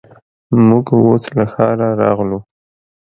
موږ اوس له ښاره راغلو.